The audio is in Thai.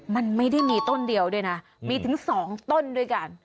มันไม่ได้มีต้นเดียวด้วยนะมีถึง๒ต้นด้วยกัน